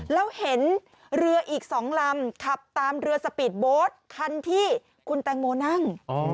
แล้วเห็นเรืออีก๒ลำขับตามเรือสปีดโบสต์คันที่คุณแตงโมนั่ง